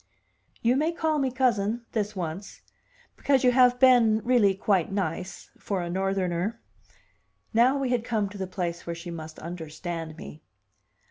'" "You may call me cousin this once because you have been, really, quite nice for a Northerner." Now we had come to the place where she must understand me.